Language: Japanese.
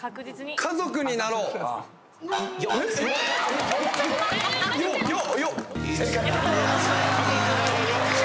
『家族になろうよ』